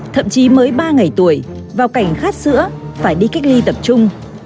thậm chí mới ba ngày tuổi vào cảnh khát sữa phải đi cách ly tập trung